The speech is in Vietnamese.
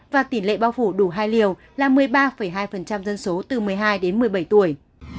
và tỷ lệ bao phủ đủ hai liều là một mươi ba hai dân số từ một mươi hai đến một mươi bảy tuổi